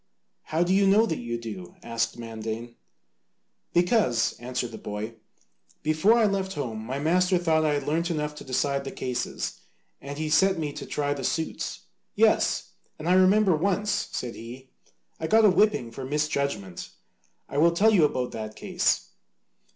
"How do you know that you do?" asked Mandane. "Because," answered the boy, "before I left home my master thought I had learnt enough to decide the cases, and he set me to try the suits. Yes! and I remember once, said he, "I got a whipping for misjudgment. I will tell you about that case.